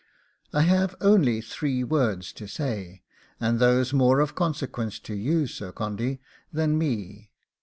'I have only three words to say, and those more of consequence to you, Sir Condy, than me.